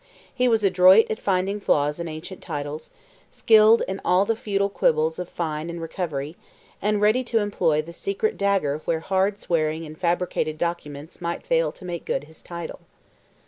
He was adroit at finding flaws in ancient titles, skilled in all the feudal quibbles of fine and recovery, and ready to employ the secret dagger where hard swearing and fabricated documents might fail to make good his title.